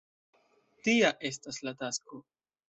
Tia estas la tasko.